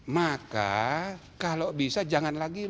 maka kalau bisa jangan lagi